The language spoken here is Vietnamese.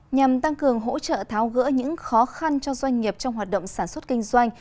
nhằm tăng cường hỗ trợ tháo gỡ những khó khăn cho doanh nghiệp trong hoạt động sản xuất kinh doanh